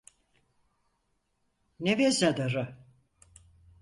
Ne veznedarı?